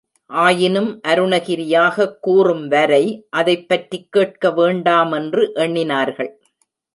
ஆயினும் அருணகிரியாகக் கூறும் வரை அதைப் பற்றிக் கேட்க வேண்டாமென்று எண்ணினார்கள்.